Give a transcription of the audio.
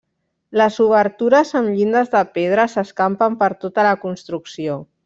Les obertures, amb llindes de pedra, s'escampen per tota la construcció.